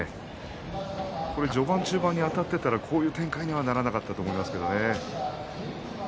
序盤、中盤にあたってたらこういう展開にはならなかったと思いますがね。